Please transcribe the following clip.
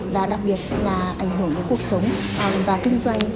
và đặc biệt là ảnh hưởng đến cuộc sống và kinh doanh